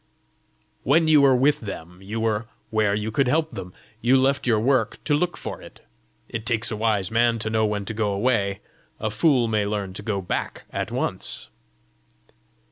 "When you were with them, you were where you could help them: you left your work to look for it! It takes a wise man to know when to go away; a fool may learn to go back at once!"